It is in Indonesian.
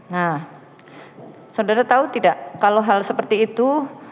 nah saudara tahu tidak kalau hal seperti itu